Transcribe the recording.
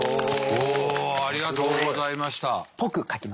おっありがとうございました。